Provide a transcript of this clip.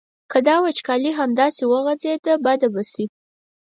که دا وچکالي همداسې وغځېده بده به شي.